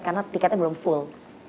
karena tiketnya belum full